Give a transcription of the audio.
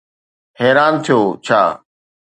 حيران ٿيو ڇا؟